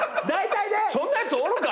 そんなやつおるか！